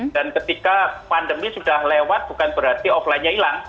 dan ketika pandemi sudah lewat bukan berarti offline nya hilang